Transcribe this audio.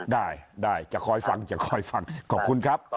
ได้ได้จะคอยฟังจะคอยฟังขอบคุณครับ